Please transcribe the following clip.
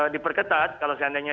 diperketat kalau seandainya